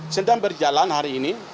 sedang berjalan hari ini